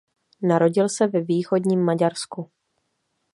Narodil se ve východním Maďarsku.